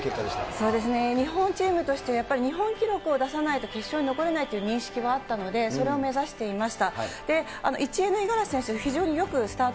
そうですね、日本チームとして、やっぱり日本記録を出さないと決勝に残れないという認識はあったので、それを目指していました。